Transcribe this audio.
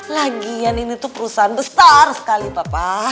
lagian ini tuh perusahaan besar sekali bapak